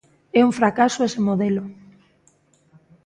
É un fracaso ese modelo.